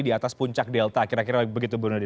di atas puncak delta kira kira begitu bu nadia